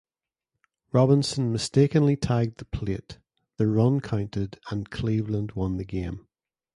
Robinson mistakenly tagged the plate, the run counted and Cleveland won the game.